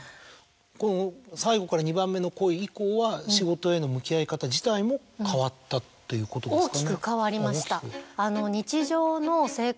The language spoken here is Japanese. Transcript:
この『最後から二番目の恋』以降は仕事への向き合い方自体も変わったっていうことですかね？